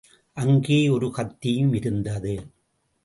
அங்கே ஒரு கத்தியும் இருந்தது.